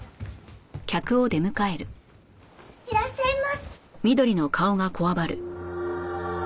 いらっしゃいま。